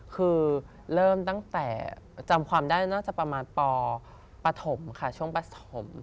คือเริ่มตั้งแต่จำความได้น่าจะประมาณปปฐมค่ะช่วงปฐม